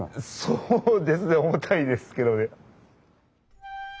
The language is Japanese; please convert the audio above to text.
そうですね重たいですけどね。